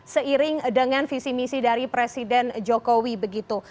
seiring dengan visi misi dari presiden jokowi begitu